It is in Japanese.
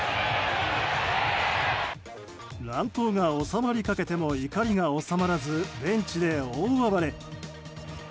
乱闘が収まりかけても怒りが収まらずベンチで大暴れ。